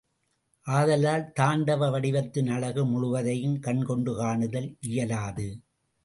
ஆதலால் தாண்டவ வடிவத்தின் அழகு முழுவதையும் கண்கொண்டு காணுதல் இயலாது.